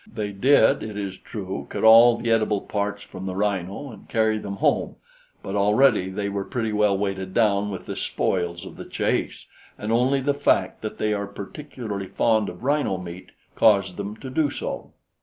They did, it is true, cut all the edible parts from the rhino and carry them home; but already they were pretty well weighted down with the spoils of the chase, and only the fact that they are particularly fond of rhino meat caused them to do so.